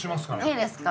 いいですか？